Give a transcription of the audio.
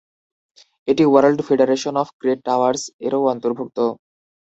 এটি World Federation of Great Towers এরও অন্তর্ভুক্ত।